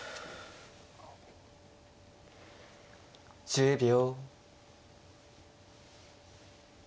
１０秒。